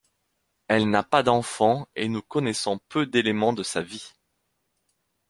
Elle n'a pas d'enfant et nous connaissons peu d'éléments de sa vie.